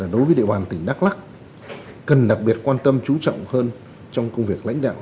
đối với địa bàn tỉnh đắk lắc cần đặc biệt quan tâm chú trọng hơn trong công việc lãnh đạo